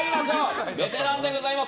ベテランでございます。